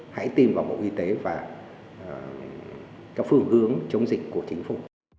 hãy tìm vào bộ y tế và theo phương hướng chống dịch của chính phủ